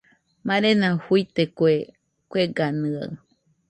Marena fuite kue kueganɨaɨ